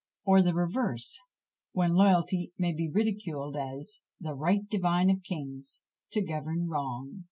Or the reverse, when loyalty may be ridiculed, as The right divine of kings to govern wrong!